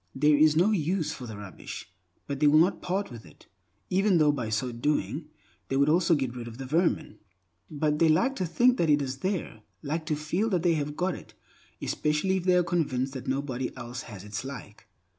There is no use for the rubbish, but they will not part with it, even though by so doing, they would also get rid of the vermin. But they like to think that it is there; like to feel that they have got it, especially if they are convinced that nobody else has its like.